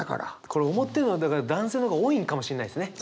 これ思ってるのはだから男性の方が多いんかもしんないですね。